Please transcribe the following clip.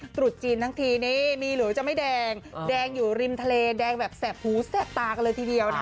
ตรุษจีนทั้งทีนี่มีหรือจะไม่แดงแดงอยู่ริมทะเลแดงแบบแสบหูแสบตากันเลยทีเดียวนะ